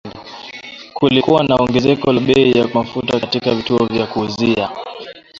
Kulikuwa na ongezeko la bei ya mafuta katika vituo vya kuuzia